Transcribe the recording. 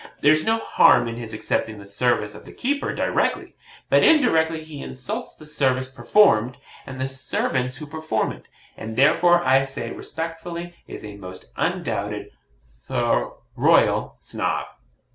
There's no harm in his accepting the services of the keeper directly; but indirectly he insults the service performed, and the servants who perform it; and therefore, I say, respectfully, is a most undoubted, though royal Snob.